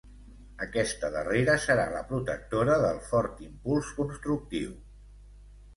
Aquesta darrera serà la protectora del fort impuls constructiu.